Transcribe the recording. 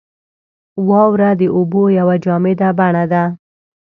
• واوره د اوبو یوه جامده بڼه ده.